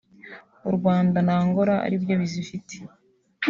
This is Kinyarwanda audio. u Rwanda na Angola aribyo bizifite